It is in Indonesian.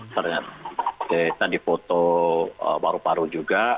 ternyata kita dipoto paru paru juga